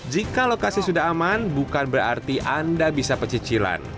jika lokasi sudah aman bukan berarti anda bisa pecicilan